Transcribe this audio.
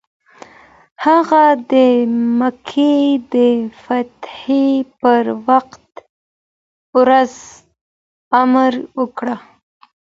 هغه د مکې د فتحې پر ورځ امر وکړ.